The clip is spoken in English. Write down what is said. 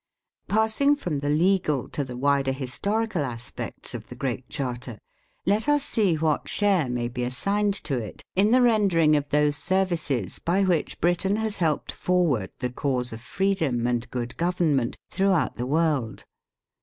Passing from the legal to the wider historical aspects of the Great Charter, let us see what share may be assigned to it in the rendering of those services by which Britain has helped forward the cause of freedom and good government throughout the world.